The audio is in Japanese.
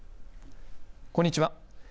こんにちは。